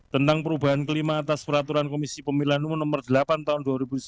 tentang perubahan kelima atas peraturan komisi pemilihan umum nomor delapan tahun dua ribu sembilan belas